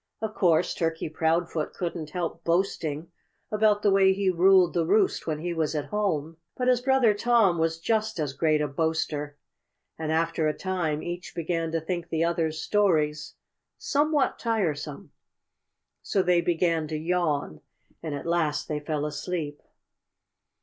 Of course Turkey Proudfoot couldn't help boasting about the way he ruled the roost when he was at home. But his brother Tom was just as great a boaster. And after a time each began to think the other's stories somewhat tiresome. So they began to yawn. And at last they fell asleep.